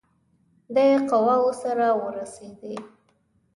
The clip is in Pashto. دی قواوو سره ورسېدی.